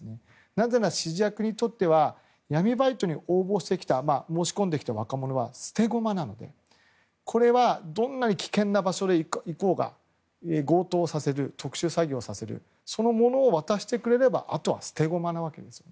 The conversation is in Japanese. なぜなら指示役にとっては闇バイトに応募してきた申し込んできた若者は捨て駒なのでこれは、どんなに危険な場所に行こうが強盗をさせる、特殊詐欺をさせるそのものを渡してくれればあとは捨て駒なわけです。